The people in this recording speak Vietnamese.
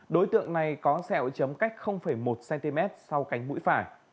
đối tượng này có sẹo chấm cách một cm sau cánh mũi phải